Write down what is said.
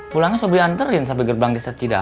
pulangnya sobri anterin sampai gerbang di set cidahu